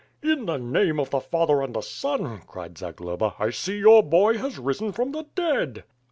"In the name of the Father and the Son," cried Zagloba, "I see your boy has risen from the dead."